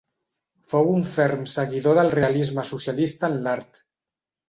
Fou un ferm seguidor del realisme socialista en l'art.